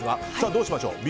どうしましょうか。